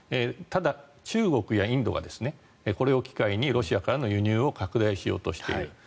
ただ、中国やインドはこれを機会にロシアからの輸入を拡大しようとしている。